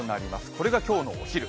これが今日のお昼。